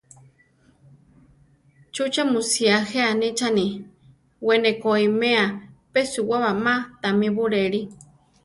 ¿Chúche mu sía je anichani: we ne koʼiméa peʼsuwaba ma tamí buléli?